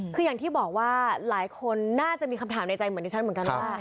คืออย่างที่บอกว่าหลายคนน่าจะมีคำถามในใจเหมือนดิฉันเหมือนกันว่า